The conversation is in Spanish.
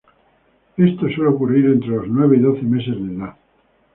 Esto suele ocurrir entre los nueve y doce meses de edad.